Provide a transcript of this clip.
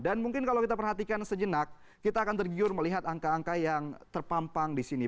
dan mungkin kalau kita perhatikan sejenak kita akan tergiur melihat angka angka yang terpampang di sini